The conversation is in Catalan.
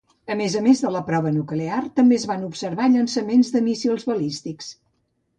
A més de la prova nuclear, també es van observar llançaments de míssils balístics.